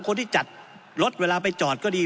คนที่จัดรถเวลาไปจอดก็ดี